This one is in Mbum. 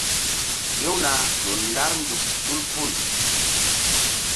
Hewna ƴo ndar nzuk tul ful.